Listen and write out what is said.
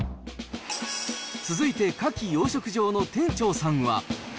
続いてカキ養殖場の店長さんは。